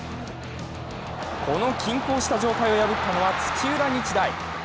この均衡した状態を破ったのは土浦日大。